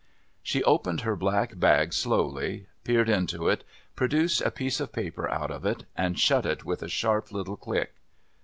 She opened her black bag slowly, peered into it, produced a piece of paper out of it, and shut it with a sharp little click.